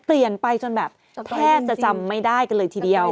เปลี่ยนไปจนแบบแทบจะจำไม่ได้กันเลยทีเดียว